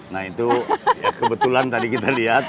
nah itu kebetulan tadi kita lihat